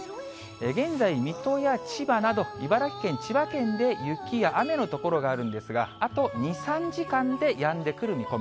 現在、水戸や千葉など、茨城県、千葉県で雪や雨の所があるんですが、あと２、３時間でやんでくる見込み。